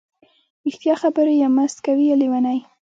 ـ رښتیا خبرې یا مست کوي یا لیوني.